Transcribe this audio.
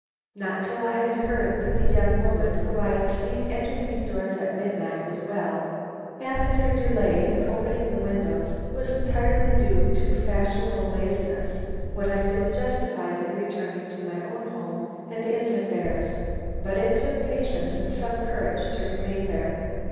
Not till I had heard that the young woman whom I had seen enter these doors at midnight was well, and that her delay in opening the windows was entirely due to fashionable laziness, would I feel justified in returning to my own home and its affairs. But it took patience and some courage to remain there.